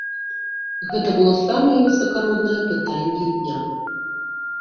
Гэты было самае высакароднае пытанне дня.